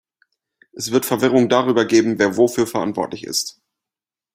Es wird Verwirrung darüber geben, wer wofür verantwortlich ist.